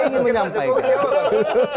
saya ingin menyampaikan